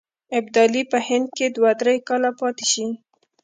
ابدالي په هند کې دوه درې کاله پاته شي.